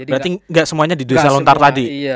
berarti gak semuanya di desa lontar tadi